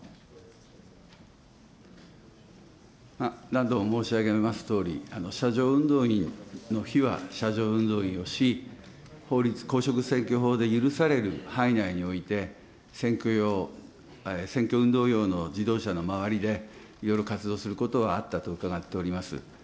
何度も申し上げますとおり、車上運動員の日は車上運動員をし、法律、公職選挙法で許される範囲内において、選挙用、選挙運動用の自動車の周りでいろいろ活動することはあったと伺っております。